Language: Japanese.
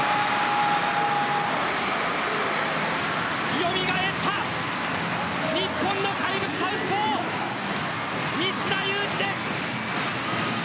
蘇った日本の怪物サウスポー西田有志です。